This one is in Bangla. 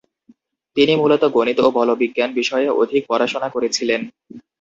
তিনি মূলত গণিত ও বলবিজ্ঞান বিষয়ে অধিক পড়াশোনা করেছিলেন।